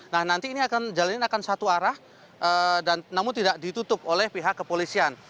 nah nanti ini akan jalanin akan satu arah namun tidak ditutup oleh pihak kepolisian